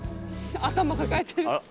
頭抱えてる。